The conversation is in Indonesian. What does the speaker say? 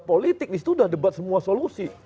politik di situ udah debat semua solusi